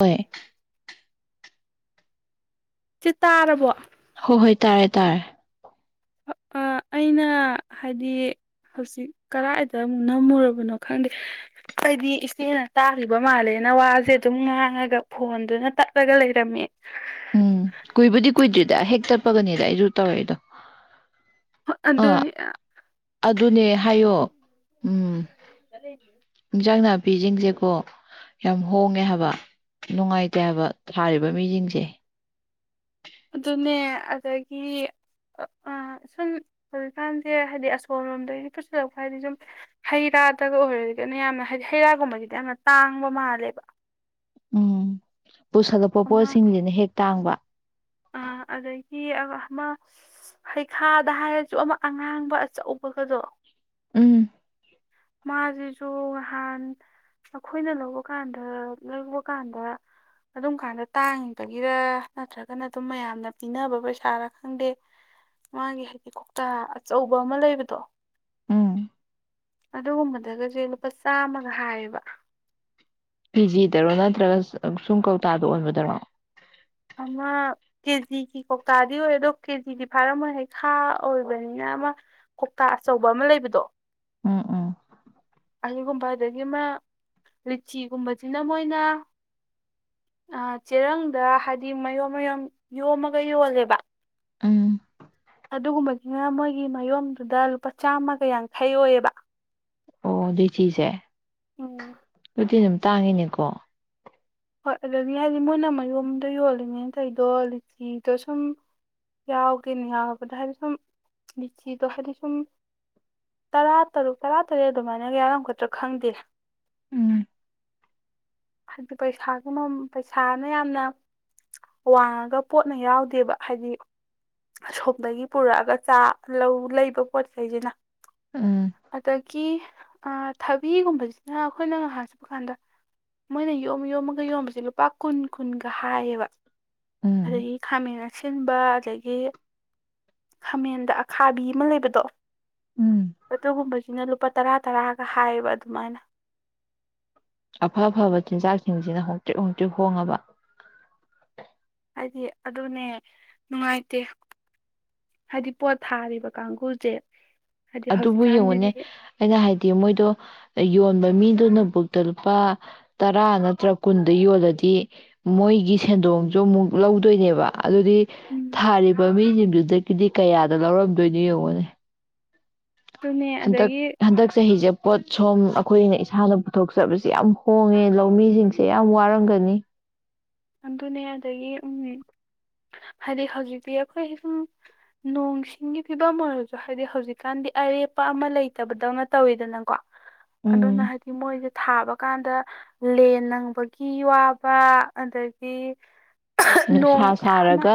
ꯍꯣꯏ ꯁꯤ ꯇꯥꯔꯕꯣ ꯍꯣꯣꯏ ꯍꯣꯏ ꯇꯥꯔꯦ ꯇꯥꯔꯦ ꯑ ꯑꯩꯅ ꯍꯥꯏꯗꯤ ꯍꯧꯖꯤꯛ ꯀꯗꯥꯥꯏꯗꯨꯛ ꯅꯝꯃꯨꯔꯕꯅꯣ ꯈꯪꯗꯦ ꯑꯩꯗꯤ ꯏꯆꯦꯅ ꯇꯥꯈꯤꯕ ꯃꯥꯜꯂꯦꯅ ꯋꯥꯁꯦ ꯑꯗꯨꯝ ꯉꯥꯡꯉꯒ ꯐꯣꯟꯗꯨꯅ ꯇꯠꯂꯒ ꯂꯩꯔꯝꯃꯤ ꯎꯝ ꯀꯨꯏꯕꯨꯗꯤ ꯀꯨꯏꯗ꯭ꯔꯤꯗ ꯍꯦꯛ ꯆꯠꯄꯒꯅꯤꯗ ꯑꯩꯁꯨ ꯇꯧꯔꯦꯗꯣ ꯑꯗꯨ ꯑꯗꯨꯅꯦ ꯍꯥꯏꯌꯣ ꯎꯝ ꯆꯂꯦ ꯏꯟꯖꯥꯡ ꯅꯥꯄꯤꯁꯤꯡꯁꯦꯀꯣ ꯌꯥꯝ ꯍꯣꯡꯉꯦ ꯍꯥꯏꯕ ꯅꯨꯡꯉꯥꯏꯇꯦ ꯍꯥꯏꯕ ꯊꯥꯔꯤꯕ ꯃꯤꯁꯤꯡꯁꯦ ꯑꯗꯨꯅꯦ ꯑꯗꯒꯤ ꯁꯨꯝ ꯍꯧꯖꯤꯛꯀꯥꯟꯁꯦ ꯍꯥꯏꯗꯤ ꯑꯁꯣꯣꯟ ꯂꯣꯝꯗꯒꯤ ꯄꯨꯠꯁꯤꯜꯂꯛꯄ ꯍꯥꯏꯗꯤ ꯁꯨꯝ ꯍꯩ ꯔꯥꯗꯒ ꯑꯣꯏꯔꯔꯒꯅ ꯌꯥꯝꯅ ꯍꯥꯏꯗꯤ ꯍꯩꯔꯥꯒꯨꯝꯕꯁꯤꯗꯤ ꯌꯥꯝꯅ ꯇꯥꯡꯕ ꯃꯥꯜꯂꯦꯕ ꯎꯝ ꯄꯨꯁꯜꯂꯛꯄ ꯄꯣꯠꯁꯤꯡꯁꯤꯅ ꯍꯦꯛ ꯇꯥꯡꯕ ꯑꯥ ꯑꯗꯒꯤ ꯑꯃ ꯍꯩꯈꯥꯗ ꯍꯥꯏꯔꯁꯨ ꯑꯃ ꯑꯉꯥꯡꯕ ꯑꯆꯧꯕꯒꯗꯣ ꯎꯝ ꯃꯥꯁꯤꯁꯨ ꯅꯍꯥꯟ ꯅꯈꯣꯏꯅ ꯂꯧꯕ ꯀꯥꯟꯗ ꯂꯧꯕ ꯀꯥꯟꯗ ꯑꯗꯨꯝ ꯀꯥꯟꯗ ꯇꯥꯡꯉꯤꯕꯒꯤꯔ ꯅꯠꯇ꯭ꯔꯒꯅ ꯑꯗꯨꯝ ꯃꯌꯥꯝꯅ ꯄꯤꯅꯕ ꯄꯩꯁꯥꯔꯥ ꯈꯪꯗꯦ ꯃꯥꯒꯤ ꯍꯥꯏꯗꯤ ꯀꯧꯇꯥ ꯑꯆꯧꯕ ꯑꯃ ꯂꯩꯕꯗꯣ ꯎꯝ ꯑꯗꯨꯒꯨꯝꯕꯗꯒꯁꯦ ꯂꯨꯄꯥ ꯆꯥꯝꯃꯒ ꯍꯥꯏꯌꯦꯕ ꯄꯤ ꯖꯤꯗꯔꯣ ꯅꯠꯇ꯭ꯔꯒ ꯁꯨꯝ ꯀꯧꯇꯥꯗ ꯑꯣꯟꯕꯗꯔꯣ ꯑꯃ ꯀꯦꯖꯤꯒꯤ ꯀꯧꯇꯥꯗꯤ ꯑꯣꯏ ꯑꯗꯣ ꯀꯦꯖꯤꯗꯤ ꯐꯥꯔꯝꯃꯣꯏ ꯍꯥꯏꯩ ꯈꯥ ꯑꯣꯏꯕꯅꯤꯅ ꯑꯃ ꯀꯧꯇꯥ ꯑꯆꯧꯕ ꯑꯃ ꯂꯩꯕꯗꯣ ꯎꯝ ꯎꯝ ꯑꯗꯨꯒꯨꯝꯕ ꯑꯗꯒꯤ ꯑꯃ ꯂꯤꯆꯤꯒꯨꯝꯕꯁꯤꯅ ꯃꯣꯏꯅ ꯆꯦꯔꯪꯗ ꯍꯥꯏꯗꯤ ꯃꯌꯣꯟꯝ ꯃꯌꯣꯟ ꯌꯣꯝꯃꯒ ꯌꯣꯜꯂꯦꯕ ꯎꯝ ꯑꯗꯨꯒꯨꯝꯕꯒꯤꯅ ꯃꯣꯏꯒꯤ ꯃꯌꯣꯟꯝꯗꯨꯗ ꯂꯨꯄꯥ ꯆꯥꯝꯃꯒ ꯌꯥꯡꯈꯩ ꯑꯣꯏꯌꯦꯕ ꯑꯣꯗꯤ ꯆꯤꯖ ꯑꯦ ꯎꯝ ꯑꯗꯨꯨꯤ ꯑꯗꯨꯝ ꯇꯥꯡꯉꯤꯅꯦꯀꯣ ꯍꯣꯏ ꯑꯗꯨꯗꯒꯤ ꯍꯥꯏꯗꯤ ꯃꯣꯏꯅ ꯃꯌꯣꯝꯗ ꯌꯣꯜꯂꯤꯉꯩꯅꯇꯩꯗꯣ ꯂꯤꯆꯤꯗꯣ ꯁꯨꯝ ꯌꯥꯎꯗꯦꯅꯦ ꯌꯥꯎꯔꯕꯗ ꯍꯥꯏꯗꯤ ꯁꯨꯝ ꯂꯤꯆꯤꯗꯣ ꯍꯥꯏꯗꯤ ꯁꯨꯝ ꯇꯔꯥ ꯇꯔꯨꯛ ꯇꯔꯥ ꯇꯔꯦꯠ ꯑꯗꯨꯃꯥꯏꯅꯒ ꯌꯥꯔꯝꯒꯗ꯭ꯔꯥ ꯈꯪꯗꯦ ꯎꯝ ꯑꯗꯨꯗ ꯄꯩꯁꯥꯒꯤ ꯄꯩꯁꯥꯅ ꯌꯥꯝꯅ ꯋꯥꯡꯉꯒ ꯄꯣꯠꯅ ꯌꯥꯎꯗꯦꯕ ꯍꯥꯏꯗꯤ ꯑꯁꯣꯝꯗꯒꯤ ꯄꯨꯔꯛꯑꯒ ꯆꯥ ꯂꯧ ꯂꯩꯕ ꯄꯣꯠꯆꯩꯁꯤꯅ ꯎꯝ ꯑꯗꯒꯤ ꯊꯕꯤꯒꯨꯝꯕꯁꯤꯅ ꯑꯩꯈꯣꯏꯅ ꯉꯥꯏꯍꯥꯛ ꯆꯠꯄ ꯀꯥꯟꯗ ꯃꯣꯏꯅ ꯌꯣꯝ ꯌꯣꯝꯃꯒ ꯌꯣꯝꯕꯁꯦ ꯂꯨꯄꯥ ꯀꯨꯟ ꯀꯨꯟꯒ ꯍꯥꯏꯌꯦꯕ ꯎꯝ ꯑꯗꯒꯤ ꯈꯥꯃꯦꯟ ꯑꯁꯤꯟꯕ ꯑꯗꯒꯤ ꯈꯥꯃꯦꯟꯗ ꯑꯈꯥꯕꯤ ꯑꯃ ꯂꯩꯕꯗꯣ ꯎꯝ ꯑꯗꯨꯒꯨꯝꯕꯁꯤꯅ ꯂꯨꯄꯥ ꯇꯔꯥ ꯇꯔꯥꯒ ꯍꯥꯏꯌꯦꯕ ꯑꯗꯨꯃꯥꯏꯅ ꯑꯐ ꯑꯐꯕ ꯆꯤꯟꯖꯥꯛꯁꯤꯡꯁꯤꯅ ꯍꯣꯡꯇꯤꯦꯛ ꯍꯣꯡꯇꯤꯦꯛ ꯍꯣꯡꯉꯕ ꯍꯥꯏꯗꯤ ꯑꯗꯨꯅꯦ ꯅꯨꯡꯉꯥꯏꯇꯦ ꯍꯥꯏꯗꯤ ꯄꯣꯠ ꯊꯥꯔꯤꯕ ꯀꯥꯡꯒꯨꯁꯦ ꯍꯥꯏꯗꯤ ꯑꯗꯨꯕꯨ ꯌꯦꯡꯉꯨꯅꯦ ꯍꯧꯖꯤꯛꯀꯥꯟꯒꯤꯗꯤ ꯑꯩꯅ ꯍꯥꯏꯗꯤ ꯃꯣꯏꯗꯣ ꯌꯣꯟꯕ ꯃꯤ ꯑꯗꯨꯅꯕꯨꯛꯇ ꯂꯨꯄꯥ ꯇꯔꯥ ꯅꯠꯇ꯭ꯔ ꯀꯨꯟꯗ ꯌꯣꯜꯂꯗꯤ ꯃꯣꯏꯒꯤ ꯁꯦꯟꯗꯣꯡꯁꯨ ꯑꯃꯨꯛ ꯂꯧꯗꯣꯏꯅꯦꯕ ꯑꯗꯨꯗꯤ ꯎꯝ ꯊꯥꯔꯤꯕ ꯃꯤꯁꯤꯡꯗꯨꯗꯒꯤꯗꯤ ꯀꯌꯥ ꯑꯗ ꯂꯧꯔꯝꯗꯣꯏꯅꯦ ꯌꯦꯡꯉꯣꯅꯦ ꯑꯗꯨꯅꯦ ꯍꯟꯗꯛ ꯑꯗꯒꯤ ꯍꯟꯗꯛꯁꯦ ꯍꯖ ꯄꯣꯠ ꯁꯣꯝ ꯑꯩꯈꯣꯏꯅ ꯏꯁꯥꯅ ꯄꯨꯊꯣꯛꯆꯕꯕꯁꯤꯦ ꯌꯥꯝ ꯍꯣꯡꯉꯦ ꯂꯧꯃꯤꯁꯤꯡꯁꯦ ꯌꯥꯝ ꯋꯥꯔꯝꯒꯅꯤ ꯑꯗꯨꯅꯦ ꯑꯗꯒꯤ ꯎꯝ ꯍꯥꯏꯗꯤ ꯍꯧꯖꯤꯛꯇꯤ ꯑꯩꯈꯣꯏ ꯁꯨꯝ ꯅꯣꯡ ꯁꯤꯡꯒꯤ ꯐꯤꯕꯝ ꯑꯣꯏꯔꯁꯨ ꯍꯥꯏꯗꯤ ꯍꯧꯖꯤꯛꯀꯥꯟꯗꯤ ꯑꯔꯦꯞꯄ ꯑꯃ ꯂꯩꯇꯕꯗꯧꯅ ꯇꯧꯋꯤꯗꯅꯀꯣ ꯑꯗꯨꯅ ꯎꯝ ꯍꯥꯏꯗꯤ ꯃꯣꯏꯁ ꯊꯥꯕ ꯀꯥꯟꯗ ꯂꯦꯟ ꯅꯪꯕꯒꯤ ꯋꯥꯕ ꯑꯗꯒꯤ ꯅꯣꯡ ꯅꯨꯡꯁꯥ ꯃꯌꯥꯝ ꯑꯃ ꯁꯥꯔꯒ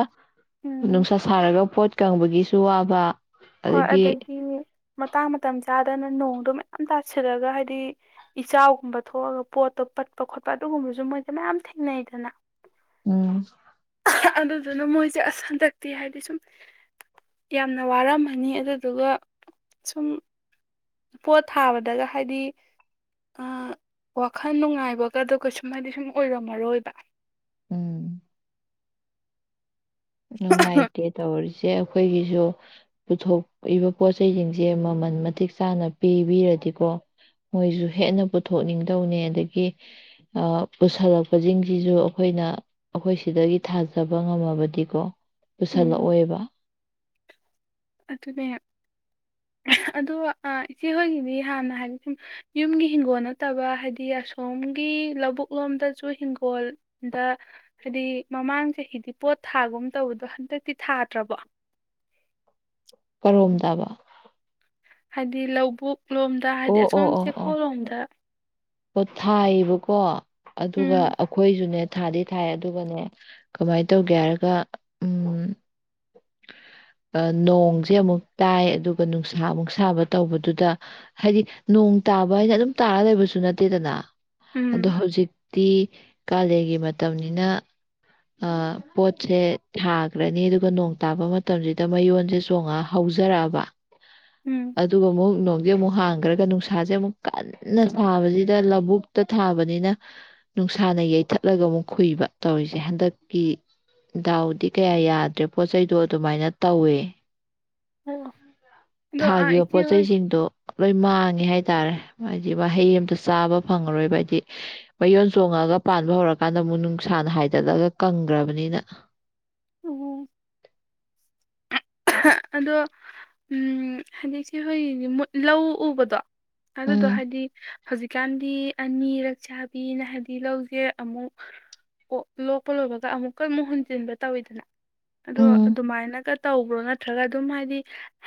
ꯎꯝ ꯅꯨꯡꯁꯥ ꯁꯥꯔꯒ ꯄꯣꯠ ꯀꯪꯕꯒꯤꯁꯨ ꯋꯥꯕ ꯍꯣꯏ ꯑꯗꯒꯤ ꯃꯇꯥꯡ ꯃꯇꯝ ꯆꯥ ꯑꯗꯨꯗꯅ ꯅꯣꯡꯗꯣ ꯃꯌꯥꯝ ꯇꯥꯁꯤꯜꯂꯒ ꯍꯥꯏꯗꯤ ꯏꯆꯥꯎꯒꯨꯝꯕ ꯊꯣꯛꯑꯒ ꯄꯣꯠꯇꯣ ꯄꯠꯄ ꯈꯣꯠꯄ ꯑꯗꯨꯒꯨꯝꯕꯁꯨ ꯃꯣꯏꯗ ꯃꯌꯥꯝ ꯊꯦꯡꯅꯩꯗꯅ ꯎꯝ ꯑꯗꯨꯗꯨꯅ ꯃꯣꯏꯁꯦ ꯑꯁ ꯍꯟꯗꯛꯇꯤ ꯍꯥꯏꯗꯤ ꯁꯨꯝ ꯌꯥꯝꯅ ꯋꯥꯔꯝꯕ ꯐꯅꯤ ꯑꯗꯨꯗꯨꯒ ꯁꯨꯝ ꯄꯣꯠ ꯊꯥꯕꯗꯒ ꯍꯥꯏꯗꯤ ꯋꯥꯈꯜ ꯅꯨꯡꯉꯥꯏꯕꯒꯗꯒ ꯁꯨꯝ ꯍꯥꯏꯗꯤ ꯁꯨꯝ ꯑꯣꯏꯔꯝꯃꯔꯣꯏꯕ ꯎꯝ ꯅꯪꯥꯏꯇꯦ ꯇꯧꯔꯁꯤ ꯁꯦ ꯑꯩꯈꯣꯏꯒꯤꯁꯨ ꯄꯨꯊꯣꯛꯏꯕ ꯄꯣꯠꯆꯁꯤꯡꯁꯦ ꯃꯃꯜ ꯃꯇꯤꯛ ꯆꯥꯅ ꯄꯤꯕꯤꯔꯗꯤꯀꯣ ꯃꯣꯏꯁꯨ ꯍꯦꯟꯅ ꯄꯨꯊꯣꯛꯅꯤꯡꯗꯧꯅꯤ ꯑꯗꯒꯤ ꯄꯨꯁꯜꯂꯛꯄꯁꯤꯡꯁꯤꯁꯨ ꯑꯩꯈꯣꯏꯅ ꯑꯩꯈꯣꯏ ꯁꯤꯗꯒꯤ ꯊꯥꯖꯕ ꯉꯝꯃꯕꯗꯤ ꯀꯣ ꯎꯝ ꯄꯨꯁꯜꯂꯛꯑꯣꯏꯕ ꯑꯗꯨꯅꯦ ꯑꯣ ꯏꯆꯦꯍꯣꯏꯒꯤꯗꯤ ꯍꯥꯟꯅ ꯍꯥꯏꯗꯤ ꯁꯨꯝ ꯌꯨꯝꯒꯤ ꯍꯤꯡꯒꯣꯜ ꯅꯠꯇꯕ ꯍꯥꯏꯗꯤ ꯑꯁꯣꯝꯒꯤ ꯂꯧꯕꯨꯛ ꯂꯣꯝꯗꯁꯨ ꯍꯤꯡꯒꯣꯜꯗ ꯍꯥꯏꯗꯤ ꯃꯃꯥꯡ ꯆꯍꯤꯗꯤ ꯄꯣꯠ ꯊꯥꯒꯨꯝ ꯇꯧꯕꯗꯣ ꯍꯟꯗꯛꯇꯤ ꯊꯥꯗ꯭ꯔꯕꯣ ꯀꯔꯣꯝꯗꯕ ꯍꯥꯏꯗꯤ ꯂꯧꯕꯨ ꯂꯣꯝꯗ ꯍꯥꯏꯗꯤ ꯑꯣ ꯑꯁꯣꯝ ꯆꯦꯛꯄꯣ ꯂꯣꯝꯗ ꯄ ꯊꯥꯏꯌꯦꯕꯀꯣ ꯑꯗꯨꯒ ꯎꯝ ꯑꯩꯈꯣꯏꯁꯨꯅꯦ ꯊꯥꯗꯤ ꯊꯥꯏ ꯑꯗꯨꯒꯅꯦ ꯀꯃꯥꯏꯅ ꯇꯧꯒꯦ ꯍꯥꯏꯔꯒ ꯎꯝ ꯅꯣꯡꯁꯦ ꯑꯃꯨꯛ ꯇꯥꯏ ꯑꯗꯨꯒ ꯅꯨꯡꯁꯥ ꯑꯃꯨꯛ ꯁꯥꯕ ꯇꯧꯕꯗꯨꯗ ꯍꯥꯏꯗꯤ ꯅꯣꯡ ꯇꯥꯕ ꯍꯥꯏꯅ ꯑꯗꯨꯝ ꯇꯥꯔ ꯂꯩꯕꯁꯨ ꯅꯠꯇꯦꯗꯅ ꯑꯗꯣ ꯎꯝ ꯍꯧꯖꯤꯛꯇꯤ ꯀꯥꯂꯦꯟꯒꯤ ꯃꯇꯝꯅꯤꯅ ꯄꯣꯠꯁꯦ ꯊꯈ꯭ꯔꯅꯤ ꯑꯗꯨꯒ ꯅꯣꯡ ꯇꯥꯕ ꯃꯇꯝꯁꯤꯗ ꯃꯌꯣꯟꯁꯦ ꯆꯣꯡꯉꯛ ꯍꯧꯖꯔꯛꯑꯕ ꯎꯝ ꯑꯗꯨꯒ ꯑꯃꯨꯛ ꯅꯣꯡꯗꯤ ꯑꯃꯨꯛ ꯍꯥꯡꯈ꯭ꯔꯒ ꯅꯨꯡꯁꯥꯁꯦ ꯑꯃꯨꯛ ꯀꯟꯅ ꯊꯥꯕꯁꯤꯗ ꯂꯧꯕꯨꯛꯇ ꯊꯥꯕꯅꯤꯅ ꯅꯨꯡꯁꯥꯅ ꯌꯩꯊꯠꯂꯒ ꯑꯃꯨꯛ ꯈꯨꯨꯏꯕ ꯇꯧꯔꯤꯁꯦ ꯍꯟꯗꯛꯀꯤ ꯗꯥꯎꯗꯤ ꯀꯌꯥ ꯌꯥꯗ꯭ꯔꯦ ꯄꯣꯠ ꯆꯩꯩꯗꯣ ꯑꯗꯨꯃꯥꯏꯅ ꯇꯧꯋꯦ ꯑꯣ ꯑꯗꯣ ꯑ ꯊꯥꯈꯤꯕ ꯏꯆꯦ ꯍꯣꯏ ꯄꯣꯠꯆꯩꯁꯤꯡꯗꯣ ꯂꯨꯏ ꯃꯥꯡꯉꯦ ꯍꯥꯏꯇꯥꯔꯦ ꯍꯥꯏꯕꯗꯤ ꯃꯍꯩ ꯑꯃꯝꯇ ꯆꯥꯕ ꯐꯪꯉꯔꯣꯏꯕ ꯍꯥꯏꯗꯤ ꯃꯌꯣꯟ ꯆꯣꯡꯉꯒ ꯄꯥꯟꯕ ꯍꯧꯔꯀꯥꯟꯗ ꯑꯃꯨꯛ ꯅꯨꯡꯁꯥꯅ ꯍꯥꯏꯗꯠꯂꯒ ꯀꯪꯈ꯭ꯔꯕꯅꯤꯅ ꯑꯣ ꯑꯗꯣ ꯎꯝ ꯍꯥꯏꯗꯤ ꯏꯆꯦ ꯍꯣꯏꯒꯤ ꯂꯧ ꯎꯕꯗꯣ ꯑꯗꯨꯗꯗꯣ ꯎꯝ ꯍꯥꯏꯗꯤ ꯍꯧꯖꯤꯛꯀꯥꯟꯗꯤ ꯑꯅꯤꯔꯛꯁꯥꯕꯤꯅ ꯍꯥꯏꯕꯗꯤ ꯂꯧꯁꯦ ꯑꯃꯨꯛ ꯑꯣ ꯂꯣꯛꯄ ꯂꯣꯏꯕꯒ ꯑꯃꯨꯛ ꯀꯃꯨꯛ ꯍꯨꯟꯖꯤꯟꯕ ꯇꯧꯋꯤꯗꯅ ꯑꯗꯣ ꯎꯝ ꯑꯗꯨꯃꯥꯏꯅꯒ ꯇꯥꯎ ꯇꯧꯕꯔꯣ ꯅꯠꯇ꯭ꯔꯒ ꯑꯗꯨꯝ ꯍꯥꯏꯗꯤ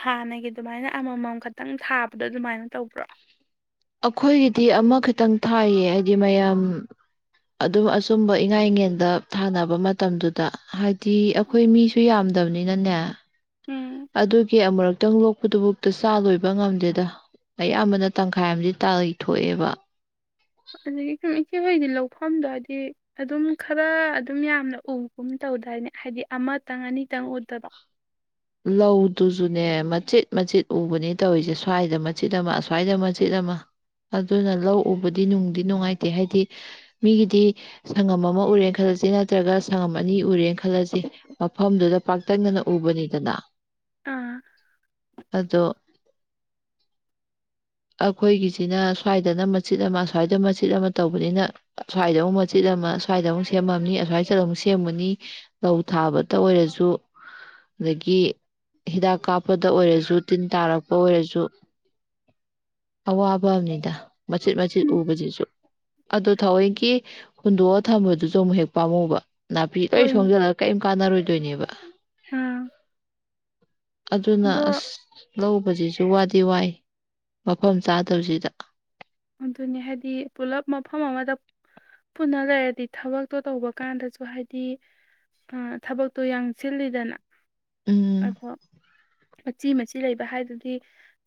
ꯍꯥꯟꯅꯒꯤ ꯑꯗꯨꯃꯥꯏꯅ ꯑꯃꯃꯝ ꯈꯛꯇꯪ ꯊꯥꯕꯗꯣ ꯑꯗꯨꯃꯥꯏꯅ ꯇꯧꯕ꯭ꯔꯣ ꯑꯩꯈꯣꯏꯒꯤꯗꯤ ꯑꯃꯈꯇꯪ ꯊꯥꯏꯌꯦ ꯍꯥꯏꯗꯤ ꯃꯌꯥꯝ ꯑꯗꯨꯝ ꯑꯆꯨꯝꯕ ꯏꯉꯥꯏꯉꯦꯜꯗ ꯊꯥꯅꯕ ꯃꯇꯝꯗꯨꯗ ꯇꯗꯤ ꯑꯩꯈꯣꯏ ꯃꯤꯁꯨ ꯌꯥꯝꯗꯕꯅꯤ ꯑꯩꯅꯅꯦ ꯎꯝ ꯑꯗꯨꯒꯤ ꯑꯃꯨꯔꯛꯇꯪ ꯂꯣꯛꯄꯗꯨꯕꯨꯛꯇ ꯆꯥ ꯂꯣꯏꯕ ꯉꯝꯗꯦꯗ ꯑꯌꯥꯝꯕꯅ ꯇꯪꯈꯥꯏ ꯑꯃꯗꯤ ꯇꯥꯊꯣꯛꯑꯦꯕ ꯑꯗꯨꯗꯒꯤ ꯁꯨꯝ ꯏꯆꯦꯍꯣꯏꯗꯤ ꯂꯧꯐꯝꯗꯣ ꯍꯥꯏꯗꯤ ꯑꯗꯨꯝ ꯈꯔ ꯑꯗꯨꯝ ꯌꯥꯝꯅ ꯎꯒꯨꯝ ꯇꯧꯗꯅꯦ ꯍꯥꯏꯗꯤ ꯑꯃꯇꯪ ꯑꯅꯤꯇꯪ ꯎꯠꯇꯕ ꯂꯧꯗꯨꯁꯨꯅꯦ ꯃꯆꯦꯠ ꯃꯆꯦꯠ ꯎꯕꯅꯦ ꯇꯧꯔꯤꯁꯦ ꯁ꯭ꯋꯥꯏꯗ ꯃꯆꯦꯠ ꯑꯃ ꯑꯁ꯭ꯋꯥꯏꯗ ꯃꯆꯦꯠ ꯑꯃ ꯑꯗꯨꯅ ꯂꯧ ꯎꯕꯗꯤ ꯅꯨꯡꯗꯤ ꯅꯨꯡꯉꯥꯏꯇꯦ ꯍꯥꯏꯗꯤ ꯃꯤꯒꯤꯗꯤ ꯁꯪꯉꯝ ꯑꯃ ꯎꯔꯦꯅ ꯈꯜꯂꯁꯤ ꯅꯠꯇ꯭ꯔꯒ ꯁꯪꯉꯝ ꯑꯅꯤ ꯎꯔꯦꯅ ꯈꯜꯂꯁꯤ ꯃꯐꯝꯗꯨꯗ ꯄꯥꯛꯇꯛꯗꯅ ꯎꯕꯅꯤ ꯗꯅꯥ ꯑꯥ ꯑꯗꯣ ꯑꯩꯈꯣꯏꯒꯤꯁꯤꯅ ꯁ꯭ꯋꯥꯏꯗꯅ ꯃꯆꯦꯠ ꯑꯃ ꯑꯁ꯭ꯋꯥꯏꯗ ꯃꯆꯦꯠ ꯑꯃ ꯇꯧꯕꯅꯤꯅ ꯑꯁ꯭ꯋꯥꯏꯗ ꯑꯃꯨꯛ ꯃꯆꯦꯠ ꯑꯃ ꯁ꯭ꯋꯥꯏꯗ ꯑꯃꯨꯛ ꯁꯦꯝꯃꯝꯅꯤ ꯑꯁ꯭ꯋꯥꯏꯁꯤꯗ ꯑꯃꯨꯛ ꯁꯦꯝꯒꯅꯤ ꯂꯧ ꯊꯥꯕꯇ ꯑꯣꯏꯔꯁꯨ ꯑꯗꯒꯤ ꯍꯤꯗꯥꯛ ꯀꯥꯞꯄꯗ ꯑꯣꯏꯔꯁꯨ ꯇꯤꯟ ꯇꯥꯔꯛꯄ ꯑꯣꯏꯔꯁꯨ ꯑꯋꯥꯕ ꯑꯃꯗ ꯃꯆꯤꯠ ꯃꯆꯤꯠ ꯎꯕꯁꯤꯁꯨ ꯑꯗꯣ ꯊꯋꯏꯒꯤ ꯍꯨꯟꯗꯣꯛꯑ ꯊꯝꯕꯗꯨꯁꯨ ꯑꯃꯨꯛ ꯍꯦꯛ ꯄꯥꯝꯃꯨꯕ ꯅꯥꯄꯤ ꯂꯣꯏ ꯍꯣꯏꯅꯦ ꯁꯣꯡꯖꯜꯂꯒ ꯀꯔꯤꯝ ꯀꯥꯟꯅꯔꯣꯏꯦ ꯑꯗꯧꯏꯅꯦꯕ ꯑꯥ ꯑꯗꯨꯅ ꯑꯗꯣ ꯑꯁ ꯂꯧꯕꯁꯤꯁꯨ ꯏ ꯋꯥꯗꯤ ꯋꯥꯏ ꯃꯐꯝ ꯆꯥꯗꯕꯁꯤꯗ ꯑꯗꯨꯅꯤ ꯍꯥꯏꯗꯤ ꯄꯨꯂꯞ ꯃꯐꯝ ꯑꯃꯗ ꯄꯨꯟꯅ ꯂꯩꯔꯗꯤ ꯊꯕꯛꯇꯣ ꯇꯧꯕ ꯀꯥꯟꯗꯁꯨ ꯍꯥꯏꯗꯤ ꯊꯕꯛꯇꯣ ꯌꯥꯡꯁꯤꯜꯂꯤꯗꯅ ꯎꯝ ꯑꯈꯣ ꯃꯆꯤ ꯃꯆꯤ ꯂꯩꯕ ꯍꯥꯏꯗꯨꯗꯤ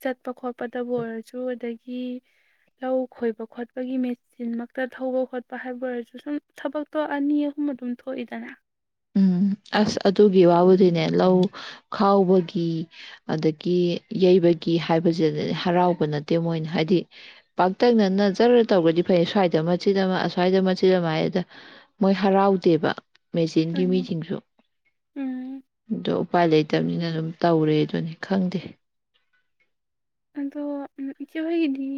ꯆꯠꯄ ꯈꯣꯠꯄ ꯄꯇꯥꯕꯨ ꯑꯣꯏꯔꯥꯁꯨ ꯑꯗꯩ ꯍꯤ ꯂꯧ ꯈꯣꯏꯕ ꯈꯣꯠꯄꯒꯤ ꯃꯦꯆꯤꯟ ꯃꯛꯇ ꯊꯧꯕ ꯈꯣꯠꯄ ꯍꯥꯏꯕ ꯑꯣꯏꯔꯁꯨ ꯁꯨꯝ ꯊꯕꯛꯇꯣ ꯑꯅꯤ ꯑꯍꯨꯝ ꯑꯗꯨꯝ ꯊꯣꯛꯏꯗꯅ ꯎꯝ ꯑꯁ ꯑꯗꯨꯒꯤ ꯋꯥꯕꯨꯗꯤꯅꯦ ꯂꯧ ꯈꯥꯎꯕꯒꯤ ꯑꯗꯒꯤ ꯌꯩꯕꯒꯤ ꯍꯥꯏꯕꯁꯤꯗꯅꯦ ꯍꯔꯥꯎꯕ ꯅꯠꯇꯦ ꯃꯣꯏꯅ ꯍꯥꯏꯗꯤ ꯄꯥꯛꯇꯛꯅꯅꯖꯔ ꯇꯧꯔꯗꯤ ꯐꯩ ꯁ꯭ꯋꯥꯏꯗ ꯃꯆꯤꯗ ꯑꯃ ꯑꯁ꯭ꯋꯥꯏꯗ ꯃꯆꯤꯗ ꯑꯃ ꯍꯥꯏꯗ ꯃꯣꯏ ꯍꯔꯥꯎꯗꯦꯕ ꯇꯦꯟꯒꯤ ꯎꯝ ꯃꯤꯁꯤꯡꯁꯨ ꯎꯝ ꯑꯗꯣ ꯎꯄꯥꯏ ꯂꯩꯇꯕꯅꯤꯅ ꯑꯗꯨꯝ ꯇꯧꯔꯦ ꯑꯗꯨꯅꯤ ꯈꯪꯗꯦ ꯑꯗꯣ ꯏꯆꯦꯣꯏꯒꯤꯗꯤ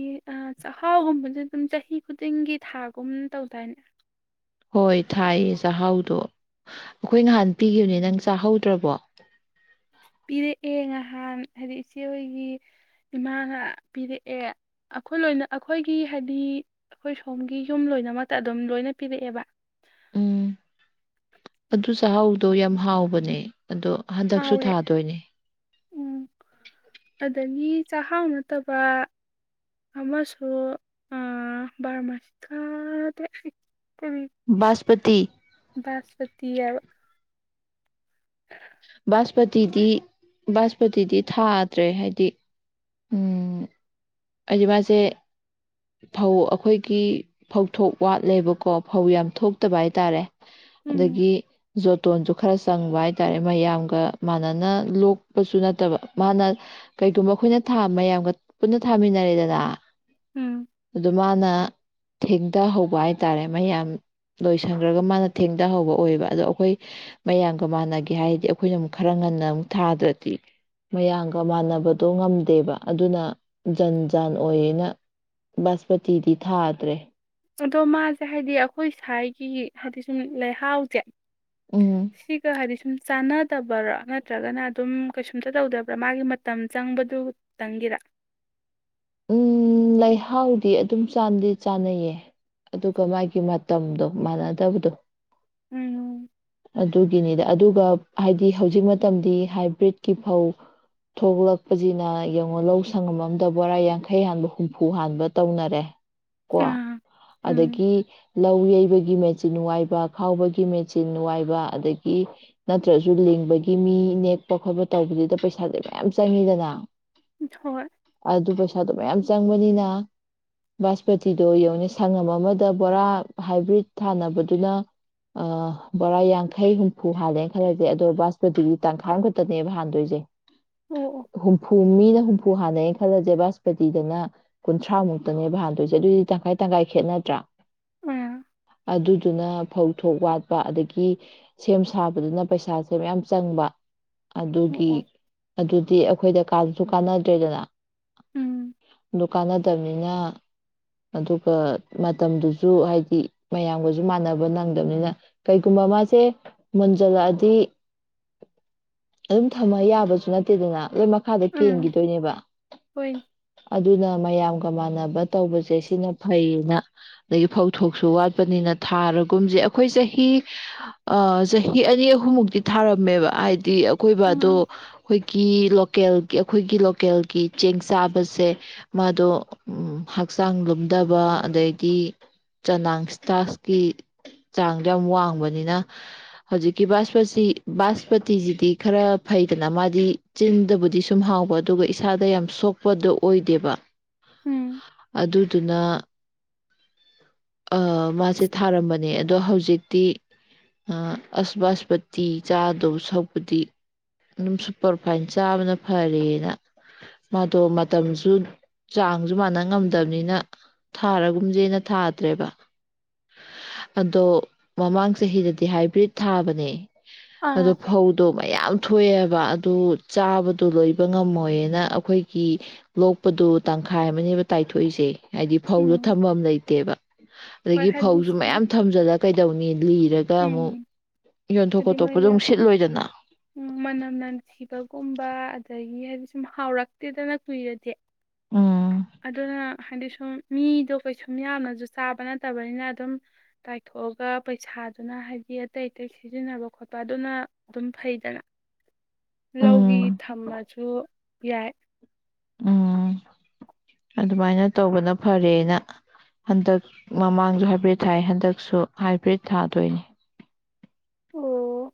ꯆꯥꯛꯍꯥꯎꯒꯨꯝꯕꯗꯤ ꯑꯗꯨꯝ ꯆꯍꯤ ꯈꯨꯗꯤꯡꯒꯤ ꯊꯥꯒꯨꯝ ꯇꯧꯗꯥꯏꯅꯦ ꯍꯣꯏ ꯊꯥꯏꯌꯦ ꯆꯥꯛꯍꯥꯎꯗꯣ ꯑꯩꯈꯣꯏ ꯅꯍꯥꯟ ꯄꯤꯈꯤꯕꯅꯦ ꯅꯪ ꯆꯥꯛꯍꯧꯗ꯭ꯔꯕꯣ ꯄꯤꯔꯛꯑꯦ ꯉꯍꯥꯟ ꯍꯥꯏꯗꯤ ꯏꯆꯦ ꯍꯣꯏꯒꯤ ꯏꯃꯥꯅ ꯄꯤꯔꯛꯑꯦ ꯑꯩꯈꯣꯏ ꯂꯣꯏꯅ ꯑꯩꯈꯣꯏꯒꯤ ꯍꯥꯏꯗꯤ ꯑꯩꯈꯣꯏ ꯁꯣꯝꯒꯤ ꯌꯨꯝ ꯂꯣꯏꯅꯃꯛꯇ ꯑꯗꯨꯝ ꯂꯣꯏꯅ ꯄꯤꯔꯛꯑꯦꯕ ꯎꯝ ꯑꯗꯨꯗ ꯆꯥꯎꯗꯣ ꯌꯥꯝ ꯍꯥꯎꯕꯅꯦ ꯑꯗꯣ ꯍꯟꯗꯛꯁꯨ ꯍꯥꯎꯋꯦ ꯊꯥꯗꯣꯏꯅꯦ ꯅꯤ ꯆꯥꯛꯍꯥꯎ ꯅꯠꯇꯕ ꯑꯃꯁꯨ ꯕꯥꯔꯃꯥꯁꯤ ꯊꯦꯛ ꯕꯥꯁꯄꯇꯤ ꯕꯥꯥꯁꯃꯇ ꯌꯥ ꯍ ꯕꯥꯁꯄꯇꯤꯗꯤ ꯕꯥꯁꯄꯇꯤꯗꯤ ꯊꯥꯗ꯭ꯔꯦ ꯍꯥꯏꯗꯤ ꯍꯥꯏꯗꯤ ꯃꯥꯁꯦ ꯐꯧ ꯑꯩꯈꯣꯏꯒꯤ ꯐꯧꯊꯣꯛ ꯋꯥꯠꯂꯦꯕꯀꯣ ꯐꯧ ꯌꯥꯝ ꯊꯣꯛꯇꯕ ꯍꯥꯏꯇꯥꯔꯦ ꯎꯝ ꯑꯗꯒꯤ ꯃꯇꯣꯟꯁꯨ ꯈꯔ ꯆꯪꯕ ꯍꯥꯏꯇꯥꯔꯦ ꯃꯌꯥꯝꯒ ꯃꯥꯟꯅꯅ ꯂꯣꯛꯄꯁꯨ ꯅꯠꯇꯕ ꯃꯥꯅ ꯀꯩꯒꯨꯝꯕ ꯑꯩꯈꯣꯏꯅ ꯃꯌꯥꯝꯒ ꯄꯨꯟꯅ ꯊꯥꯃꯤꯟꯅꯔꯦꯗꯅ ꯎꯝ ꯑꯗꯨ ꯃꯥꯅ ꯊꯦꯡꯊꯍꯧꯕ ꯍꯥꯏꯇꯥꯔꯦ ꯃꯌꯥꯝ ꯂꯣꯏꯁꯟꯈ꯭ꯔꯒ ꯃꯥꯅ ꯊꯦꯡꯊꯍꯧꯕ ꯑꯣꯏꯕ ꯑꯗꯣ ꯑꯩꯈꯣꯏ ꯃꯌꯥꯝꯒ ꯃꯥꯥꯟꯅ ꯀꯩ ꯍꯥꯏꯗꯤ ꯑꯩꯈꯣꯏꯅ ꯑꯃꯨꯛ ꯈꯔ ꯉꯟꯅ ꯑꯃꯨꯛ ꯊꯥꯗ꯭ꯔꯗꯤ ꯃꯌꯥꯝꯒ ꯃꯥꯟꯅꯕꯗꯣ ꯉꯝꯗꯦꯕ ꯑꯗꯨꯅ ꯖꯟ ꯖꯥꯟ ꯑꯣꯏꯌꯦꯅ ꯕꯥꯁꯄꯇꯤꯗꯤ ꯊꯥꯗ꯭ꯔꯦ ꯑꯗꯣ ꯃꯥꯁꯦ ꯍꯥꯏꯗꯤ ꯑꯩꯈꯣꯏ ꯁ꯭ꯋꯥꯒꯤ ꯍꯥꯏꯗꯤ ꯁꯨꯝ ꯂꯩꯍꯥꯎꯁꯦ ꯎꯝ ꯁꯤ꯭ꯔꯤ ꯀꯥ ꯍꯔꯤꯁꯤꯡꯟ ꯆꯥꯟꯅꯗꯕꯔꯥ ꯅꯠꯇ꯭ꯔꯒꯅ ꯑꯗꯨꯝ ꯀꯩꯁꯨꯝꯇ ꯇꯧꯗꯕ꯭ꯔꯥ ꯃꯥꯒꯤ ꯃꯇꯝ ꯆꯪꯕꯗꯨꯇꯪꯒꯤꯔꯥ ꯎꯝ ꯂꯩꯍꯥꯎꯗꯤ ꯑꯗꯨꯝꯗꯤ ꯆꯥꯟꯅꯩꯌꯦ ꯑꯗꯨꯒ ꯃꯥꯒꯤ ꯃꯇꯝꯗꯣ ꯃꯥꯟꯅꯗꯕꯗꯣ ꯎꯝ ꯑꯗꯨꯗꯒꯤꯅꯤꯗ ꯑꯗꯨꯒ ꯍꯥꯏꯗꯤ ꯍꯧꯖꯤꯛ ꯃꯇꯝꯗꯤ ꯍꯥꯏꯕ꯭ꯔꯤꯠꯀꯤ ꯐꯧ ꯊꯣꯛꯂꯛꯄꯁꯤꯅ ꯌꯦꯡꯉꯨ ꯂꯧ ꯁꯪꯉꯝ ꯑꯝꯗ ꯕꯣꯔꯥ ꯌꯥꯡ ꯌꯥꯡꯈꯩ ꯍꯥꯟꯕ ꯍꯨꯝꯐꯨ ꯍꯥꯟꯕ ꯇꯧꯅꯔꯦ ꯀꯣ ꯑꯥ ꯎꯝ ꯑꯗꯒꯤ ꯂꯧ ꯌꯩꯕꯒꯤ ꯃꯦꯆꯤꯟ ꯋꯥꯏꯕ ꯈꯥꯎꯕꯒꯤ ꯃꯦꯆꯤꯟ ꯋꯥꯏꯕ ꯑꯗꯒꯤ ꯅꯠꯇ꯭ꯔꯁꯨ ꯂꯤꯡꯕꯒꯤ ꯃꯤ ꯅꯦꯛꯄ ꯈꯣꯠꯄ ꯇꯧꯕꯗꯨꯗ ꯄꯩꯁꯥꯁꯦ ꯃꯌꯥꯝ ꯆꯪꯉꯤꯗꯅ ꯍꯣꯏ ꯑꯗꯨ ꯄꯁ ꯄꯩꯁꯥꯗꯣ ꯃꯌꯥꯝ ꯆꯪꯕꯅꯤꯅ ꯕꯥꯁꯄꯇꯤꯗꯣ ꯌꯡꯅꯤ ꯁꯪꯉꯝ ꯑꯃꯗ ꯕꯣꯔꯥ ꯍꯥꯏꯕ꯭ꯔꯤꯠ ꯊꯥꯅꯕꯗꯨꯅ ꯕꯣꯔꯥ ꯌꯥꯡꯈꯩ ꯍꯨꯝꯐꯨ ꯍꯥꯜꯂꯦꯅ ꯈꯜꯂꯁꯦ ꯑꯗꯣ ꯕꯥꯁꯄꯇꯤꯗꯤ ꯇꯥꯡꯈꯥꯏ ꯑꯃꯈꯛꯇꯅꯦꯕ ꯍꯥꯟꯗꯣꯏꯁꯦ ꯑꯣ ꯑꯣ ꯚꯨꯃꯤꯗ ꯍ ꯈꯨ ꯍꯥꯟꯅꯩꯩꯅ ꯈꯜꯂꯁꯦꯕꯁ ꯄꯗꯤꯗꯅ ꯀꯨꯟꯊ꯭ꯔꯥꯃꯨꯛꯇꯅꯦꯕ ꯍꯥꯟꯗꯣꯏꯁꯦ ꯑꯗꯨꯑꯣꯏꯗꯤ ꯇꯪꯈꯥꯏ ꯇꯪꯈꯥꯏ ꯈꯦꯠꯅꯗ꯭ꯔꯥ ꯑꯥ ꯑꯗꯨꯗꯨꯅ ꯐꯧ ꯊꯣꯛ ꯋꯥꯠꯄ ꯑꯗꯒꯤ ꯁꯦꯝ ꯁꯥꯕꯗꯨꯅ ꯄꯩꯁꯥꯁꯦ ꯃꯌꯥꯝ ꯆꯪꯕ ꯑꯣ ꯑꯗꯨꯒꯤ ꯑꯣ ꯑꯗꯨꯗꯤ ꯑꯩꯈꯣꯏꯗ ꯀꯥꯟꯁꯨ ꯀꯥꯟꯅꯗ꯭ꯔꯦꯗꯅ ꯎꯝ ꯑꯗꯨ ꯀꯥꯟꯅꯗꯕꯅꯤꯅ ꯑꯗꯨꯒ ꯃꯇꯝꯗꯨꯁꯨ ꯍꯥꯏꯗꯤ ꯃꯌꯥꯝꯒꯁꯨ ꯃꯥꯟꯅꯕ ꯅꯪꯗꯕꯅꯤꯅ ꯀꯩꯒꯨꯝꯕ ꯃꯥꯁꯦ ꯃꯨꯟꯖꯜꯂꯛꯑꯗꯤ ꯑꯗꯨꯝ ꯊꯝꯃ ꯌꯥꯕꯁꯨ ꯅꯠꯇꯦꯗꯅ ꯂ ꯃꯈꯥꯗ ꯎꯝ ꯀꯦꯟꯈꯤꯗꯣꯏꯅꯦꯕ ꯍꯣꯏ ꯑꯗꯨꯅ ꯃꯌꯥꯝꯒ ꯃꯥꯟꯅꯕ ꯇꯧꯕꯁꯦ ꯁꯤꯅ ꯐꯩꯌꯦꯅ ꯑꯗꯒꯤ ꯐꯧꯊꯣꯛꯁꯨ ꯋꯥꯠꯄꯅꯤꯅ ꯊꯥꯔꯒꯨꯝꯁꯦ ꯑꯩꯈꯣꯏ ꯆꯍꯤ ꯆꯍꯤ ꯑꯅꯤ ꯑꯍꯨꯝꯃꯨꯛꯇꯤ ꯊꯥꯔꯝꯃꯦꯕ ꯍꯥꯏꯗꯤ ꯎꯝ ꯑꯀꯣꯏꯕꯗꯣ ꯑꯩꯈꯣꯏꯒꯤ ꯂꯣꯀꯦꯜꯒꯤ ꯑꯩꯈꯣꯏꯒꯤ ꯂꯣꯀꯦꯜꯒꯤ ꯆꯦꯡ ꯆꯥꯛ ꯁꯄꯠꯁꯦ ꯃꯥꯗꯣ ꯍꯛꯆꯥꯡ ꯂꯨꯝꯗꯕ ꯑꯗꯩꯗꯤ ꯆꯅꯥꯡ ꯁ꯭ꯇꯥꯁꯀꯤ ꯆꯥꯡꯗꯣ ꯌꯥꯝ ꯋꯥꯡꯕꯅꯤꯅ ꯍꯧꯖꯤꯛꯀꯤ ꯕꯥꯁꯄꯇ ꯕꯥꯁꯄꯇꯤꯁꯤꯗꯤ ꯈꯔ ꯐꯩꯗꯅ ꯃꯥꯗꯤ ꯆꯤꯟꯗꯕꯨꯗꯤ ꯁꯨꯝ ꯍꯥꯎꯕ ꯑꯗꯨꯒ ꯏꯁꯥꯗ ꯌꯥꯝ ꯁꯣꯛꯄ ꯄꯗꯣ ꯑꯣꯏꯗꯦꯕ ꯎꯝ ꯑꯗꯨ ꯑꯗꯨꯅ ꯑ ꯃꯥꯁꯦ ꯊꯥꯔꯝꯕꯅꯦ ꯑꯗꯣ ꯍꯧꯖꯤꯛꯇꯤ ꯑꯁꯕꯥꯁꯄꯇꯤ ꯆꯥꯗꯣ ꯁꯛꯄꯗꯤ ꯑꯗꯨꯝ ꯁꯨꯄꯔꯐꯥꯏꯟ ꯆꯥꯕꯅ ꯐꯔꯦꯦꯅ ꯃꯥꯗꯣ ꯃꯇꯝꯁꯨ ꯆꯥꯡꯁꯨ ꯃꯥꯟꯅ ꯉꯝꯗꯕꯅꯤꯅ ꯊꯥꯔꯒꯨꯝꯁꯦꯅ ꯊꯥ ꯠꯇ꯭ꯔꯦꯕ ꯑꯗꯣ ꯃꯃꯥꯡ ꯆꯍꯤꯗꯗꯤ ꯍꯥꯏꯕ꯭ꯔꯤꯠ ꯊꯥꯕꯅꯦ ꯑꯗꯣ ꯑꯥ ꯐꯧꯗꯣ ꯃꯌꯥꯝ ꯊꯣꯛꯑꯦꯕ ꯑꯗꯨ ꯆꯥꯕꯗꯣ ꯂꯣꯏꯕ ꯉꯝꯃꯣꯏꯌꯦꯅ ꯑꯩꯈꯣꯏꯒꯤ ꯂꯣꯛꯄꯗꯨ ꯇꯪꯈꯥꯏ ꯑꯃꯅꯦꯕ ꯇꯥꯏꯊꯣꯛꯏꯁꯦ ꯍꯥꯏꯗꯤ ꯐꯧꯗꯣ ꯎꯝ ꯊꯝꯐꯝ ꯂꯩꯇꯦꯕ ꯑꯗꯒꯤ ꯐꯧꯁꯨ ꯃꯌꯥꯝ ꯊꯝꯖꯔ ꯀꯩꯗꯧꯅꯤ ꯂꯤꯔꯒ ꯑꯃꯨꯛ ꯎꯝꯝ ꯌꯣꯟꯊꯣꯛ ꯍꯥꯏꯗꯤ ꯈꯣꯠꯇꯣꯛꯄꯗꯣ ꯃꯣꯏꯗ ꯑꯃꯨꯛ ꯁꯤꯠꯂꯣꯏꯗꯅ ꯎꯝ ꯃꯅꯝ ꯅꯝꯊꯤꯕꯒꯨꯝꯕ ꯑꯗꯒꯤꯗꯤ ꯁꯨꯝ ꯍꯥꯎꯔꯛꯇꯦꯗꯅ ꯀꯨꯏꯔꯗꯤ ꯎꯝ ꯑꯗꯨꯅ ꯍꯟꯗꯁ ꯁꯨꯝ ꯃꯤꯗꯣ ꯀꯩꯁꯨꯝ ꯌꯥꯝꯅꯁꯨ ꯆꯥꯕ ꯅꯠꯇꯕꯅꯤꯅ ꯑꯗꯨꯝ ꯇꯥꯏꯊꯣꯛꯑꯒ ꯄꯩꯁꯥ ꯑꯗꯨꯅ ꯍꯥꯏꯕꯗꯤ ꯑꯇꯩ ꯑꯇꯩ ꯁꯤꯖꯤꯟꯅꯕ ꯈꯣꯠꯄ ꯑꯗꯨꯅ ꯑꯗꯨꯝ ꯐꯩꯗꯅ ꯂꯧꯒꯤ ꯎꯝ ꯊꯝꯃꯁꯨ ꯌꯥꯏ ꯎꯝ ꯑꯗꯨꯃꯥꯏꯅ ꯇꯧꯕꯅ ꯐꯔꯦꯅ ꯍꯟꯗꯛ ꯃꯃꯥꯡꯁꯨ ꯍꯥꯏꯕ꯭ꯔꯤꯠ ꯊꯥꯏ ꯍꯟꯗꯛꯁꯨ ꯍꯥꯏꯕ꯭ꯔꯤꯠ ꯊꯥꯗꯣꯏꯅꯤ ꯑꯣ